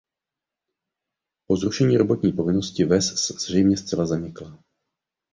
Po zrušení robotní povinnosti ves zřejmě zcela zanikla.